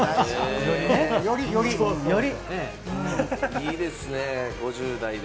いいですね、５０代で。